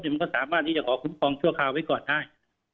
มันก็สามารถที่จะขอคุ้มครองชั่วคราวไว้ก่อนได้